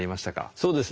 そうですね